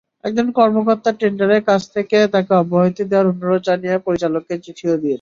একজন কর্মকর্তা টেন্ডারের কাজ থেকে তাঁকে অব্যাহতি দেওয়ার অনুরোধ জানিয়ে পরিচালককে চিঠিও দিয়েছেন।